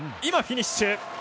フィニッシュ。